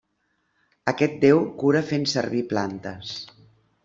Aquest déu cura fent servir plantes.